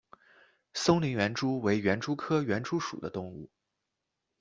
松林园蛛为园蛛科园蛛属的动物。